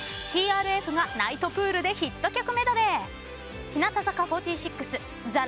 ＴＲＦがナイトプールでヒット曲メドレー。